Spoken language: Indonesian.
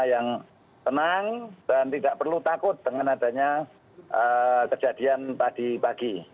saya berharap semua yang tenang dan tidak perlu takut dengan adanya kejadian tadi pagi